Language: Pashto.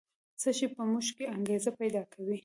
څه شی په موږ کې انګېزه پیدا کوي؟